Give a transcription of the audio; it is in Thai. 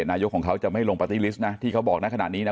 ผมก็คงไม่ได้เป็นหนายก